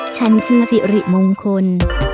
ฉันคือสิริมงคล